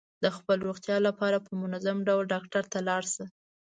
د خپل روغتیا لپاره په منظم ډول ډاکټر ته لاړ شه.